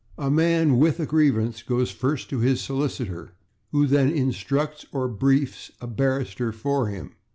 A man with a grievance goes first to his solicitor, who then /instructs/ or /briefs/ a barrister for him.